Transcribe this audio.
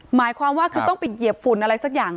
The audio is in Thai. หมายความว่าคือต้องไปเหยียบฝุ่นอะไรสักอย่าง